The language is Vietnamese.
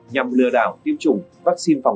nhằm lừa đảo tiêm chủng vắc xin phòng